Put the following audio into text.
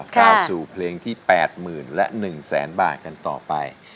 กลับสู่เพลงที่๘๐๐๐๐และ๑๐๐๐๐๐บาทกันต่อไป